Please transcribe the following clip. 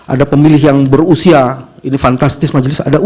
ada pemilih yang berusia ini fantastis majelis ulama